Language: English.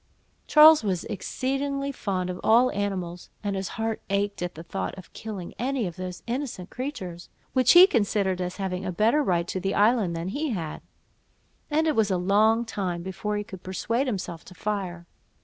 Charles was exceedingly fond of all animals, and his heart ached at the thoughts of killing any of those innocent creatures, which he considered as having a better right to the island than he had; and it was a long time before he could persuade himself to fire.